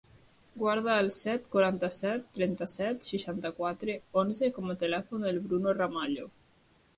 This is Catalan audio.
Guarda el set, quaranta-set, trenta-set, seixanta-quatre, onze com a telèfon del Bruno Ramallo.